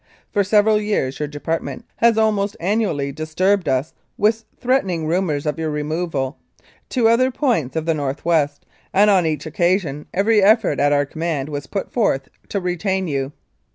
"For several years your Department has almost annually disturbed us with threatened rumours of your removal to other points of the North West, and on each occasion every effort at our command was put forth to retain you.